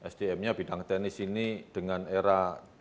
sdm nya bidang teknis ini dengan era